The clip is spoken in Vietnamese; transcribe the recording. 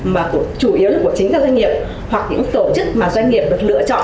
mà chủ yếu là của chính các doanh nghiệp hoặc những tổ chức mà doanh nghiệp được lựa chọn